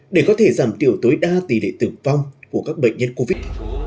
để có thể giảm thiểu tối đa tỷ lệ tử vong của các bệnh nhân covid